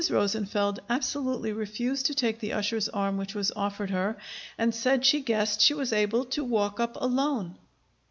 Rosenfeld absolutely refused to take the usher's arm which was offered her, and said she guessed she was able to walk up alone.